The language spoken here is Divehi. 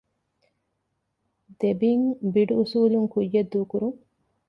ދެ ބިން ބިޑް އުސޫލުން ކުއްޔަށް ދޫކުރުން